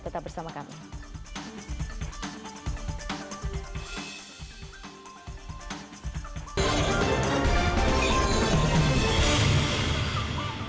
tetap bersama kami